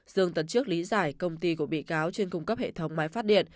dương tấn trước lý giải công ty của bị cáo chuyên cung cấp hệ thống máy phát điện